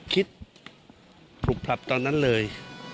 คิดผลัพธ์ตอนนั้นเลย